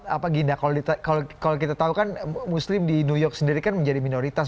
apa ginda kalau kita tahu kan muslim di new york sendiri kan menjadi minoritas